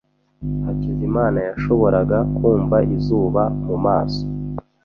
Hakizimana yashoboraga kumva izuba mu maso.